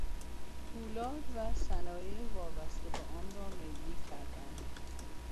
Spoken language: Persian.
پولاد و صنایع وابسته به آن را ملی کردند.